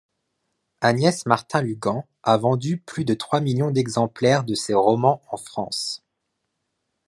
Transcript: Agnès Martin-Lugand a vendu plus de trois millions d'exemplaires de ses romans en France.